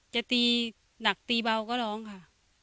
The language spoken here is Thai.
จะตีหนักตีเบาก็ร้องค่ะ